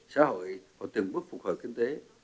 xã hội và từng bước phục hồi kinh tế